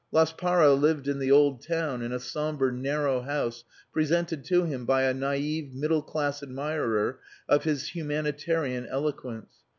Laspara lived in the old town in a sombre, narrow house presented to him by a naive middle class admirer of his humanitarian eloquence.